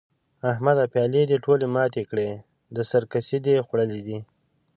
احمده؛ پيالې دې ټولې ماتې کړې؛ د سر کسي دې خوړلي دي؟!